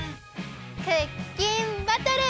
クッキンバトル！